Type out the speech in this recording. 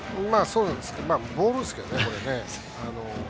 ボールですけどね、これ。